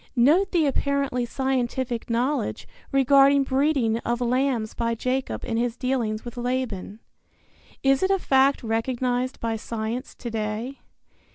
Note the apparently scientific knowledge regarding breeding of lambs by Jacob in his dealings with Laban. Is it a fact recognized by science to day?